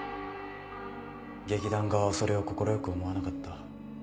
劇団側はそれを快く思わなかった。